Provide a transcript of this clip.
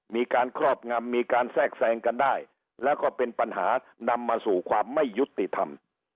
มีการครอบงำมีการแทรกแทรงกันได้แล้วก็เป็นปัญหานำมาสู่ความไม่ยุติธรรม